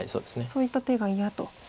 そういった手が嫌と。